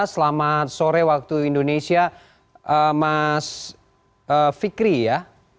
selamat sore waktu indonesia mas fikri ya